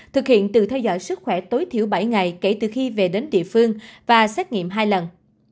thực hiện từ theo dõi sức khỏe tối thiểu bảy ngày kể từ khi về đến địa phương và xét nghiệm hai lần